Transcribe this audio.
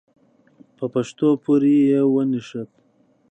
په پښو پورې يې ونښت.